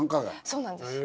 そうなんですよ。